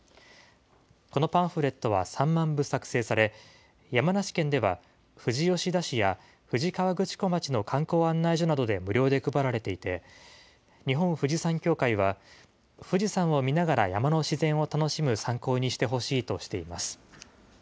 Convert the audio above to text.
このパンフレットは３万部作成され、山梨県では、富士吉田市や富士河口湖町の観光案内所などで無料で配られていて、日本富士山協会は、富士山を見ながら山の自然を楽しむ参考にしてほしいとしています。